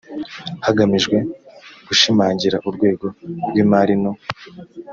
hagamijwe gushimangira urwego rw imari no